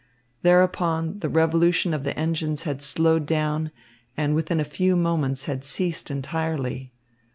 Thereupon the revolution of the engines had slowed down and within a few moments had ceased entirely.